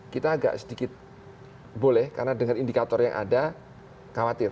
kita agak sedikit boleh karena dengan indikator yang ada khawatir